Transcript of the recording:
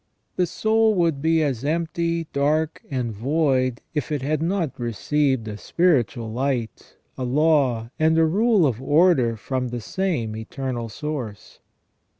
The soul would be as empty, dark, and void if it had not received a spiritual light, a law, and a rule of order from the same Eternal Source.